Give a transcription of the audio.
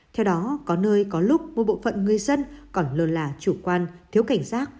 theo đó có nơi có lúc một bộ phận người dân còn lơ là chủ quan thiếu cảnh giác